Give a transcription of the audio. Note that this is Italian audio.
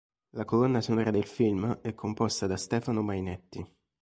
La colonna sonora del film è composta da Stefano Mainetti.